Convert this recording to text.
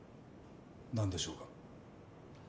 何でしょうか？